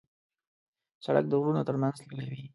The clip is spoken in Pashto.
سړک د غرونو تر منځ تللی وي.